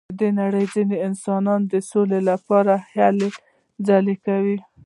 د نړۍ ځینې انسانان د سولې لپاره هلې ځلې کوي.